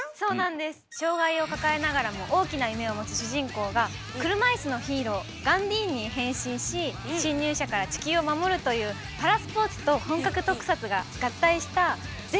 障害を抱えながらも大きな夢を持つ主人公が車いすのヒーローガンディーンに変身し侵入者から地球を守るというパラスポーツと本格特撮が合体した前代未聞のドラマとなっております。